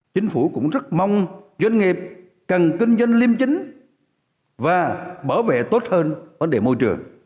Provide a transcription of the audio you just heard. chính phủ cũng rất mong doanh nghiệp cần kinh doanh liêm chính và bảo vệ tốt hơn vấn đề môi trường